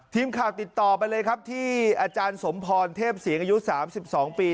ทีมข่าวติดต่อไปเลยครับที่อาจารย์สมพรเทพศีลอายุ๓๒ปี